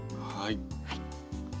はい。